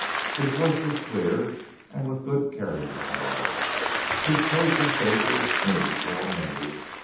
His voice was clear and with good carrying power. His clothes were shapely, new, well made.